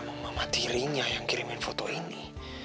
kalau emang mama tiringnya yang kirimin foto ini